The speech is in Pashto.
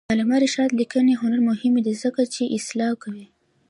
د علامه رشاد لیکنی هنر مهم دی ځکه چې اصلاح کوي.